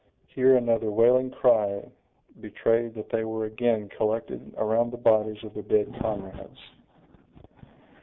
Here another wailing cry betrayed that they were again collected around the bodies of their dead comrades.